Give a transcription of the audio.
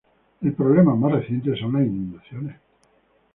El problema más reciente son las inundaciones.